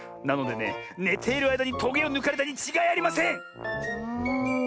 なのでねねているあいだにトゲをぬかれたにちがいありません！